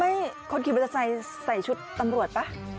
ไม่คนลิวที่ว่าใส่ชุดตำรวจป่ะ